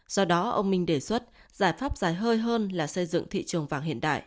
do đó ông minh đề xuất giải pháp dài hơi hơn là xây dựng thị trường vàng hiện đại